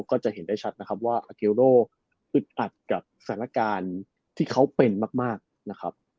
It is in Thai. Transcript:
ก็จะเห็นได้ชัดนะครับว่าอาเกียโรอึดอัดกับสถานการณ์ที่เขาเป็นมากนะครับ